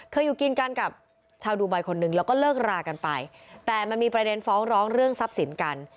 อยู่กินกันกับชาวดูไบคนหนึ่งแล้วก็เลิกรากันไปแต่มันมีประเด็นฟ้องร้องเรื่องทรัพย์สินกัน